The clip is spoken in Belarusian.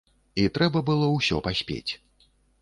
І трэба было ўсё паспець.